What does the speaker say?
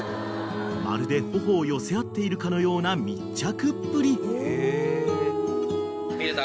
［まるで頬を寄せ合っているかのような密着っぷり］見れた？